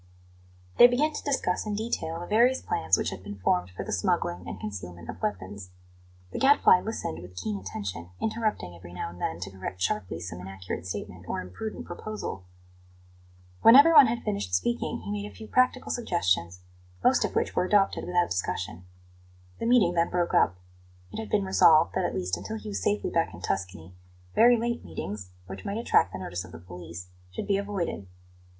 They began to discuss in detail the various plans which had been formed for the smuggling and concealment of weapons. The Gadfly listened with keen attention, interrupting every now and then to correct sharply some inaccurate statement or imprudent proposal. When everyone had finished speaking, he made a few practical suggestions, most of which were adopted without discussion. The meeting then broke up. It had been resolved that, at least until he was safely back in Tuscany, very late meetings, which might attract the notice of the police, should be avoided.